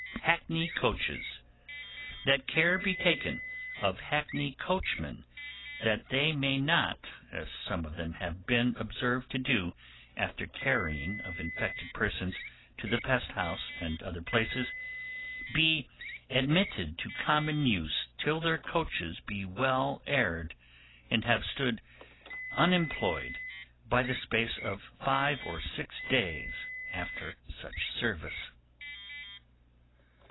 Hackney Coaches. 'That care be taken of hackney coachmen, that they may not (as some of them have been observed to do after carrying of infected persons to the pest house and other places) be admitted to common use till their coaches be well aired, and have stood unemployed by the space of five or six days after such service.